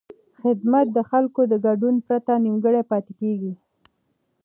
خدمت د خلکو د ګډون پرته نیمګړی پاتې کېږي.